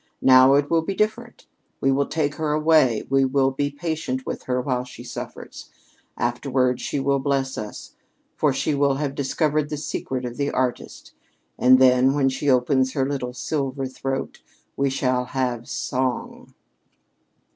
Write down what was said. Now it will be different. We will take her away; we will be patient with her while she suffers; afterward she will bless us, for she will have discovered the secret of the artist, and then when she opens her little silver throat we shall have SONG."